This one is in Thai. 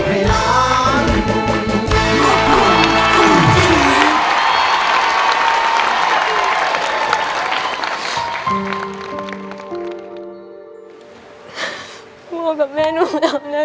กลัวกับแม่หนูทำแน่